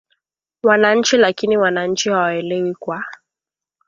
wananchi lakini wananchi hawaelewi kwa